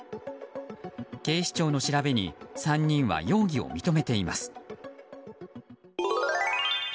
警視庁の調べに３人は容疑を認めています。